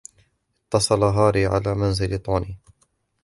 اتصل هاري على منزل طوني.